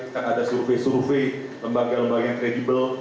kan ada survei survei lembaga lembaga yang kredibel